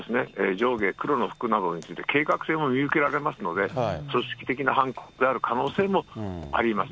上下黒の服などについて、計画性も見受けられますので、組織的な犯行である可能性もあります。